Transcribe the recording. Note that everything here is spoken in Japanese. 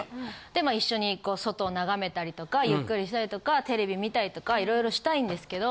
でまあ一緒に外を眺めたりとかゆっくりしたりとかテレビ見たりとか色々したいんですけど。